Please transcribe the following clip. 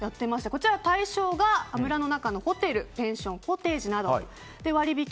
こちら、対象が村の中のホテル、ペンションコテージなど。